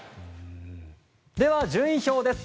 では、順位表です。